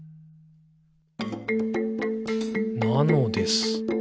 「なのです。」